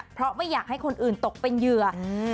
เพราะไม่อยากให้คนอื่นตกเป็นเหยื่อ